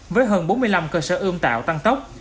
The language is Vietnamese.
với hơn bốn mươi năm cơ sở ươm tạo tăng tốc